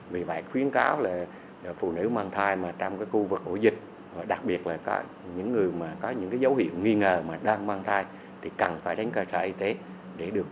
vì vậy khuyến cáo là phụ nữ mang thai mà trong khu vực ổ dịch đặc biệt là những người mà có những dấu hiệu nghi ngờ mà đang mang thai thì cần phải đến cơ sở y tế để được